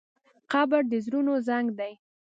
قبر د زړونو زنګ دی.